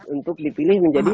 untuk dipilih menjadi